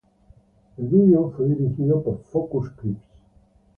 El video fue dirigido por Focus Creeps.